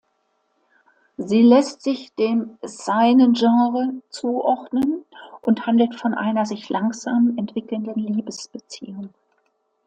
Sie lässt sich dem Seinen-Genre zuordnen und handelt von einer sich langsam entwickelnden Liebesbeziehung.